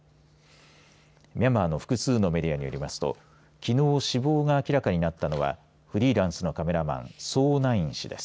ミャンマーの複数のメディアによりますときのう死亡が明らかになったのはフリーランスのカメラマンソー・ナイン氏です。